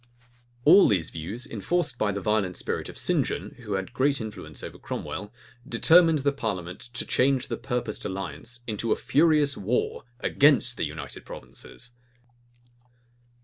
All these views, enforced by the violent spirit of St. John, who had great influence over Crom well, determined the parliament to change the purposed alliance into a furious war against the United Provinces.